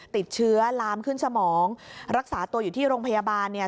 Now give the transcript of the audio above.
ติดเชื้อลามขึ้นสมองรักษาตัวอยู่ที่โรงพยาบาลเนี่ย